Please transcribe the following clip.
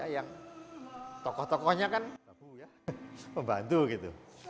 yang tokoh tokohnya kan membantu gitu